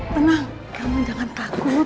tenang kamu jangan takut